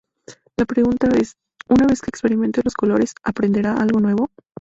La pregunta es: una vez que experimente los colores, ¿aprenderá algo nuevo?